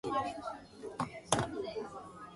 A national assembly is held annually.